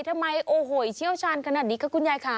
ทำไมโอ้โหเชี่ยวชาญขนาดนี้คะคุณยายค่ะ